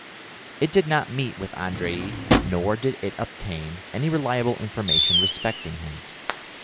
It did not meet with Andrée, nor did it obtain any reliable information respecting him.